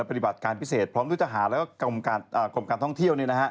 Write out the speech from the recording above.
ปฏิบัติการพิเศษพร้อมด้วยทหารและกรมการท่องเที่ยว